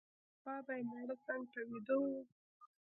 چي پخوا به یې مېړه څنګ ته ویده وو